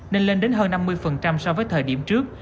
nên lên đến hơn năm mươi so với thời điểm trước